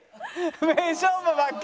名勝負ばっかり。